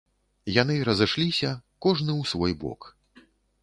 Яны разышліся, кожны ў свой бок.